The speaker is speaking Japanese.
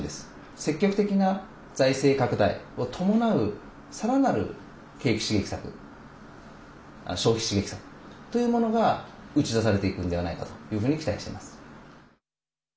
積極的な財政拡大を伴うさらなる景気刺激策消費刺激策というものが打ち出されていくんではないかというふうに期待しています。